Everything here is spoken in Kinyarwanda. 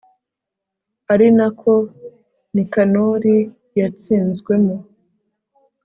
ari na ko nikanori yatsinzwemo